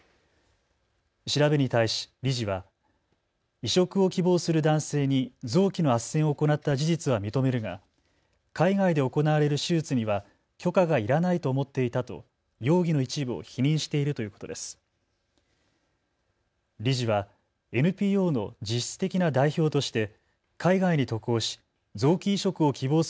調べに対し理事は移植を希望する男性に臓器のあっせんを行った事実は認めるが海外で行われる手術には許可がいらないと思っていたと容疑の一部を否認しているということです。